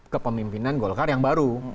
kepemimpinan golkar yang baru